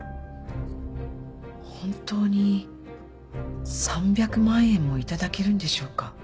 本当に３００万円も頂けるんでしょうか？